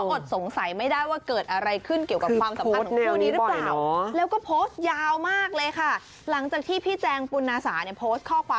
อดสงสัยไม่ได้ว่าเกิดอะไรขึ้นเกี่ยวกับความสัมพันธ์ของคู่นี้หรือเปล่า